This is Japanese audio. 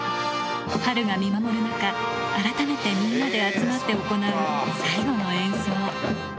波瑠が見守る中、改めてみんなで集まって行う最後の演奏。